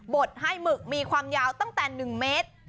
ดให้หมึกมีความยาวตั้งแต่๑เมตร